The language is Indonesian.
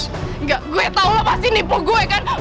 enggak gue tau lah pasti nipu gue kan